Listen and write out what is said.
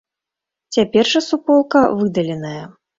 Цяпер жа суполка выдаленая.